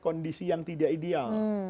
kondisi yang tidak ideal